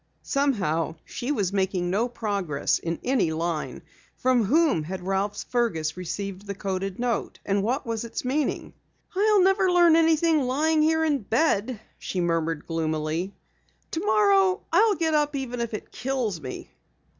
Somehow she was making no progress in any line. From whom had Ralph Fergus received the coded note, and what was its meaning? "I'll never learn anything lying here in bed," she murmured gloomily. "Tomorrow I'll get up even if it kills me."